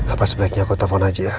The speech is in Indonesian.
apa sebaiknya aku telfon aja ya